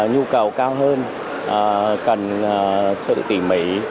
như cầu cao hơn cần sự tỉ mỉ